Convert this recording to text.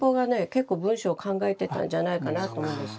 結構文章考えてたんじゃないかなと思うんですよ。